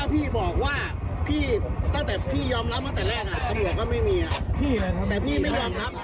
พี่อะไรครับ